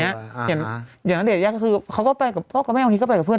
อย่างนั้นเดี๋ยวแยกก็คือเขาก็ไปกับพ่อกับแม่วันนี้ก็ไปกับเพื่อน